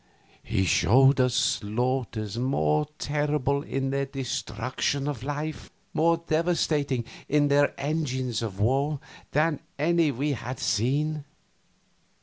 He showed us slaughters more terrible in their destruction of life, more devastating in their engines of war, than any we had seen.